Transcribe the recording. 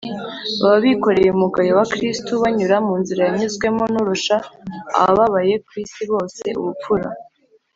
baba bikoreye umugayo wa kristo banyura mu nzira yanyuzwemo n’urusha ababaye ku isi bose ubupfura